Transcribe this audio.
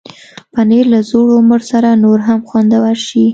پنېر له زوړ عمر سره نور هم خوندور شي.